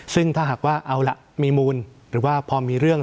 ซึ่งถ้าหากว่าเอาล่ะมีมูลหรือว่าพอมีเรื่อง